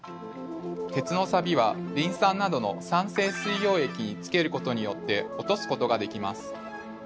鉄のサビはリン酸などの酸性水溶液につけることによって落とすことができます。